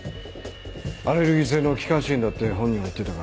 アレルギー性の気管支炎だって本人は言ってたが。